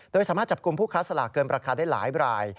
โดยสามารถจับกลุ่มผู้ค้าสลากเกินราคาได้หลายราย